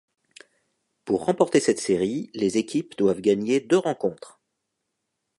Pour remporter cette série, les équipes doivent gagner deux rencontres.